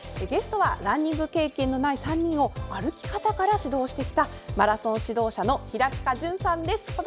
ゲストはランニング経験のない３人を、歩き方から指導してきたマラソン指導者の平塚潤さんです。